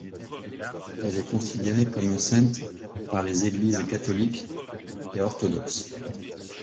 Elle est considérée comme sainte par les églises catholique et orthodoxe.